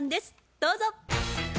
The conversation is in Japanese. どうぞ。